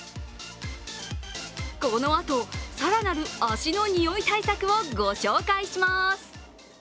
このあと、更なる足のにおい対策をご紹介します。